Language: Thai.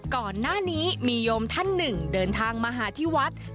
ก่อนหน้านี้มีโยมท่านหนึ่งเดินทางมาหาที่วัด